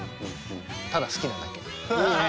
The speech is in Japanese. ただ好きなだけ。